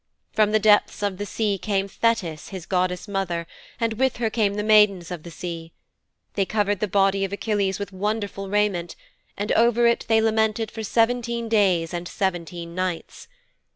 From the depths of the sea came Thetis, his goddess mother, and with her came the Maidens of the Sea. They covered the body of Achilles with wonderful raiment and over it they lamented for seventeen days and seventeen nights.